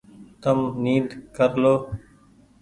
تم نيد ڪر لو ۔